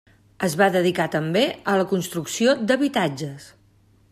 Es va dedicar també a la construcció d'habitatges.